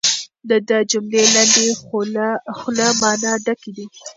د ده جملې لنډې خو له مانا ډکې دي.